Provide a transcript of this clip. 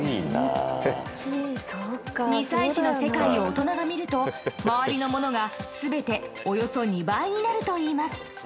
２歳児の世界を大人が見ると周りのものが全ておよそ２倍になるといいます。